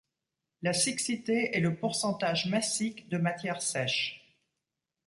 La siccité est le pourcentage massique de matière sèche.